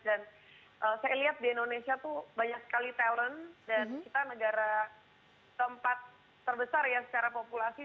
dan saya lihat di indonesia tuh banyak sekali talent dan kita negara tempat terbesar ya secara populasi